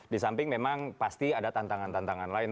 di samping memang pasti ada tantangan tantangan lain